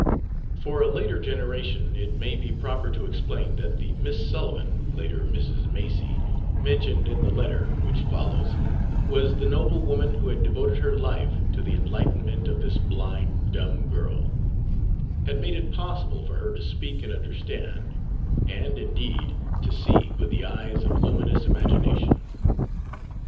For a later generation it may be proper to explain that the Miss Sullivan, later Mrs. Macy, mentioned in the letter which follows, was the noble woman who had devoted her life to the enlightenment of this blind, dumb girl had made it possible for her to speak and understand, and, indeed, to see with the eyes of luminous imagination.